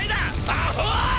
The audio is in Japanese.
アホ！